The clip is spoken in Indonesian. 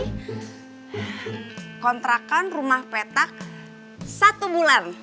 kontrakan rumah petak satu bulan